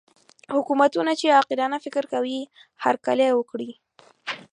حکومتونه چې عاقلانه فکر کوي هرکلی وکړي.